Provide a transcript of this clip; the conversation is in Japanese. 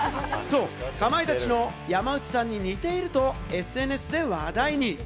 かまいたちの山内さんに似ているとＳＮＳで話題に。